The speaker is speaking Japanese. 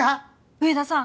上田さん